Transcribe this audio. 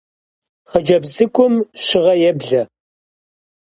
Хъыджэбз цӀыкӀум щыгъэ еблэ.